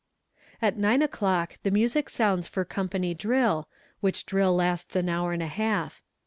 At nine o'clock the music sounds for company drill, which drill lasts an hour and a half.